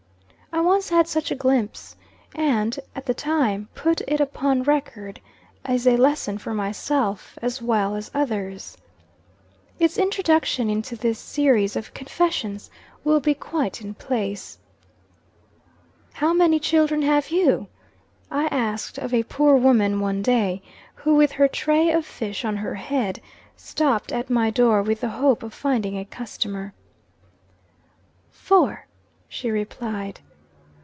I once had such a glimpse, and, at the time, put it upon record as a lesson for myself as well as others. Its introduction into this series of "Confessions" will be quite in place. "How many children have you?" I asked of a poor woman, one day, who, with her tray of fish on her head, stopped at my door with the hope of finding a customer. "Four," she replied.